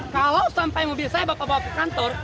kalau sampai mobil saya bapak bawa ke kantor